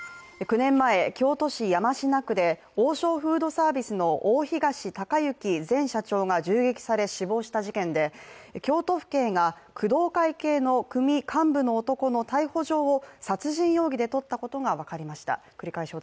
９年前、京都市山科区で王将フードサービスの大東隆行前社長が銃撃され、死亡した事件で、京都府警が工藤会系の組幹部の男の逮捕状を殺人容疑で取ったことが分かりました。